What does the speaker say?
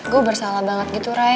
gue bersalah banget gitu ray